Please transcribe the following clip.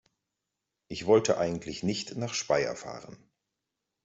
Ich wollte eigentlich nicht nach Speyer fahren